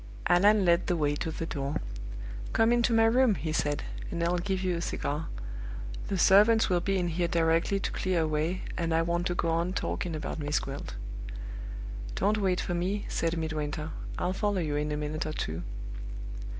Allan led the way to the door. "Come into my room," he said, "and I'll give you a cigar. The servants will be in here directly to clear away, and I want to go on talking about Miss Gwilt." "Don't wait for me," said Midwinter; "I'll follow you in a minute or two."